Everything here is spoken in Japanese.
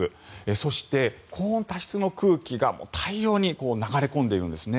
そして、高温多湿の空気が大量に流れ込んでいるんです。